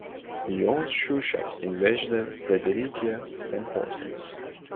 He owns shoe shops in Vejle, Fredericia, and Horsens.